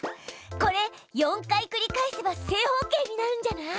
これ４回繰り返せば正方形になるんじゃない？